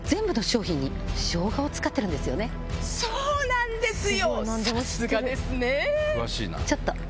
そうなんですよ！